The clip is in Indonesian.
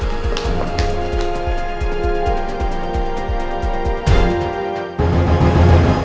kau gak diangkat